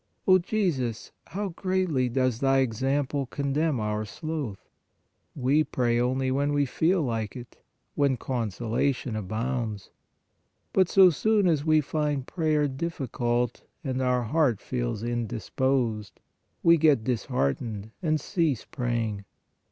O Jesus, how greatly does Thy example condemn our sloth ! We pray only when we feel like it, when consolation abounds, but so soon as we find prayer difficult and our heart feels indisposed, we get dis heartened and cease praying.